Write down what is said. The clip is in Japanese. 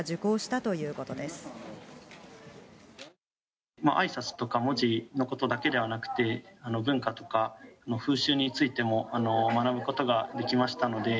あいさつとか、文字のことだけではなくて、文化とか風習についても学ぶことができましたので。